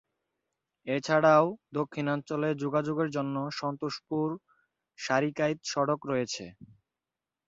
এছাড়াও দক্ষিণাঞ্চলে যোগাযোগের জন্য সন্তোষপুর-সারিকাইত সড়ক রয়েছে।